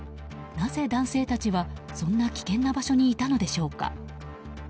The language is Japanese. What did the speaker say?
なぜ男性たちはそんな危険な場所にいたのでしょうか。